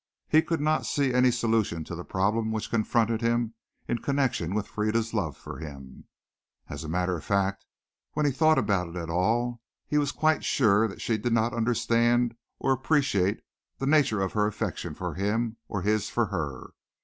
He could not see any solution to the problem which confronted him in connection with Frieda's love for him. As a matter of fact, when he thought about it at all he was quite sure that she did not understand or appreciate the nature of her affection for him or his for her.